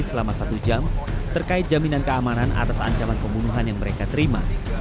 selama satu jam terkait jaminan keamanan atas ancaman pembunuhan yang mereka terima